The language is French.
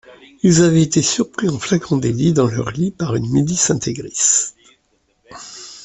Ils avaient été surpris en flagrant délit dans leur lit par une milice intégriste.